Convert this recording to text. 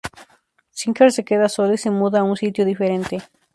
Singer se queda sólo y se muda a un sitio diferente.